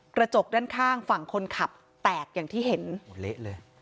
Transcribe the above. กระจกด้านข้างฝั่งคนขับแตกอย่างที่เห็นโอ้โหเละเลย